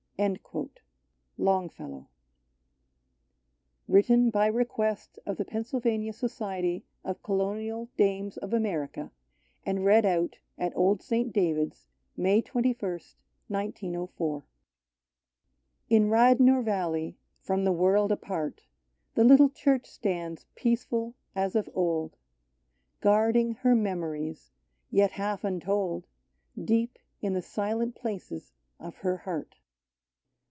— Longfellow Written by request of the Pennsylvania Society of Colonial Dames of America and read at Old St. David's, May 3i, IQ04 Tn Radnor Valley, from the world apart, The little Church stands peaceful as of old, Guarding her memories, yet half untold, Deep in the silent places of her heart.